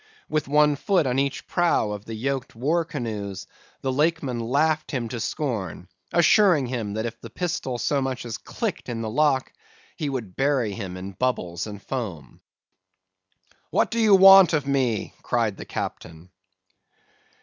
With one foot on each prow of the yoked war canoes, the Lakeman laughed him to scorn; assuring him that if the pistol so much as clicked in the lock, he would bury him in bubbles and foam. "'What do you want of me?' cried the captain.